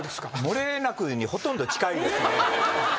漏れなくにほとんど近いですね。